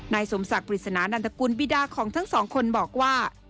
สมศักดิ์ปริศนานันตกุลบิดาของทั้งสองคนบอกว่า